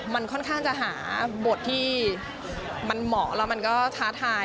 มันค่อนข้างจะหาบทที่มันเหมาะแล้วมันก็ท้าทาย